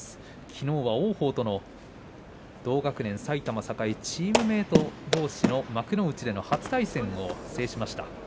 きのうは王鵬との同学年、埼玉栄チームメートどうしの幕内での初対戦を制しました。